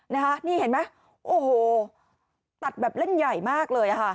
นะคะนี่เห็นไหมโอ้โหตัดแบบเล่นใหญ่มากเลยอ่ะค่ะ